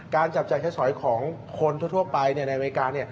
จับจ่ายใช้สอยของคนทั่วไปในอเมริกา